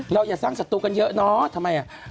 เราอย่าสร้างสัตว์ตัวกันเยอะเนอะทำไม